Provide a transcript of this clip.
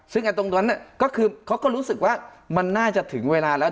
ซึ่งตรงนั้นก็คือเขาก็รู้สึกว่ามันน่าจะถึงเวลาแล้ว